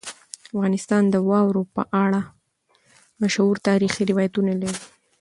افغانستان د واوره په اړه مشهور تاریخی روایتونه لري.